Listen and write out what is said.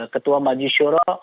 ketua maju syuro